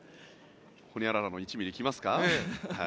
ほにゃららの１ｍｍ来ますか？